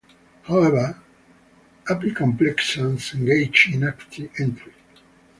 However, apicomplexans engage in active entry.